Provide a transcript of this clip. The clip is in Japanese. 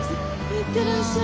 行ってらっしゃい。